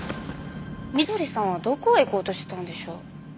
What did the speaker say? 翠さんはどこへ行こうとしてたんでしょう。